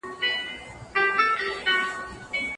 په دوس کلي کي مېلمه مشر وي.